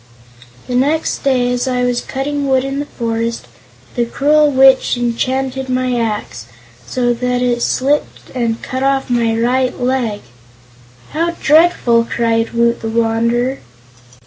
"The next day, as I was cutting wood in the forest, the cruel Witch enchanted my axe, so that it slipped and cut off my right leg." "How dreadful!" cried Woot the Wanderer.